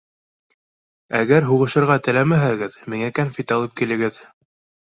Әгәр һуғышырға теләмәһәгеҙ, миңә кәнфит алып килегеҙ.